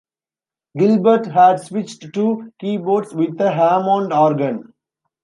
Gilbert had switched to keyboards with a Hammond organ.